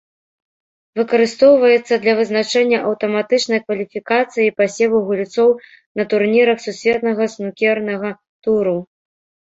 Выкарыстоўваецца для вызначэння аўтаматычнай кваліфікацыі і пасеву гульцоў на турнірах сусветнага снукернага туру.